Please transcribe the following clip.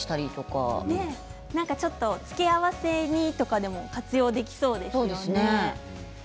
付け合わせに活用できそうですよね。